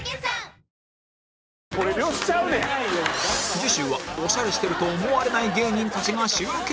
次週はオシャレしてると思われない芸人たちが集結